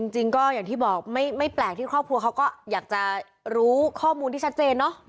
จริงก็อย่างที่บอกไม่แปลกที่ครอบครัวเขาก็อยากจะรู้ข้อมูลที่ชัดเจนเนอะ